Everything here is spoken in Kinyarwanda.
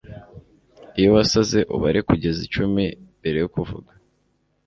Iyo wasaze ubare kugeza icumi mbere yo kuvuga